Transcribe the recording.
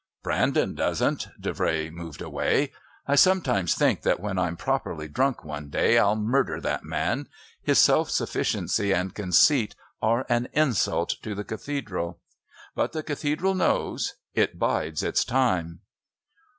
"Brandon doesn't." Davray moved away. "I sometimes think that when I'm properly drunk one day I'll murder that man. His self sufficiency and conceit are an insult to the Cathedral. But the Cathedral knows. It bides its time."